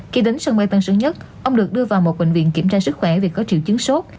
khi đến sân bay tân sơn nhất ông được đưa vào một bệnh viện kiểm tra sức khỏe vì có triệu chứng sốt